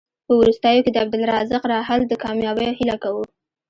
په وروستیو کې د عبدالرزاق راحل د کامیابیو هیله کوو.